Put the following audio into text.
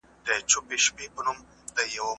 هغه څوک چي ونه ساتي ګټه کوي.